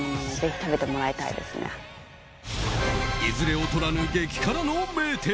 いずれ劣らぬ激辛の名店。